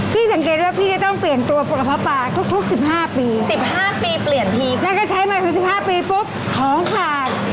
พี่สังเกตว่าพี่จะต้องเปลี่ยนตัวปลาปลาปลาทุกทุกสิบห้าปีสิบห้าปีเปลี่ยนทีแล้วก็ใช้มาสิบห้าปีปุ๊บของขาด